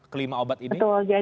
kelima obat ini